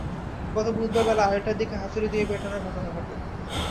গত বুধবার বেলা আড়াইটার দিকে হাতুড়ি দিয়ে পেটানোর ঘটনা ঘটে।